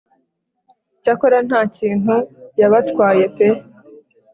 icyakora ntakintu yabatwaye pe